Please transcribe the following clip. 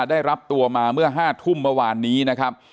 ได้รับตัวมาเมื่อ๕ทุ่มเมื่อวานนี้นะครับ